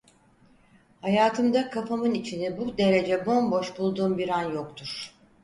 Hayatımda kafamın içini bu derece bomboş bulduğum bir an yoktur.